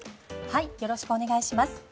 よろしくお願いします。